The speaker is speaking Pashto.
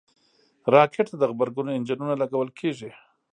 راکټ ته د غبرګون انجنونه لګول کېږي